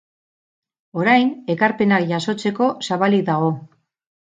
Orain, ekarpenak jasotzeko zabalik dago.